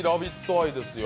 愛ですよ。